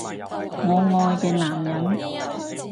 我愛嘅男人